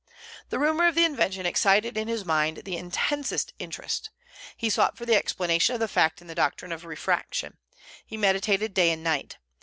The rumor of the invention excited in his mind the intensest interest. He sought for the explanation of the fact in the doctrine of refraction. He meditated day and night.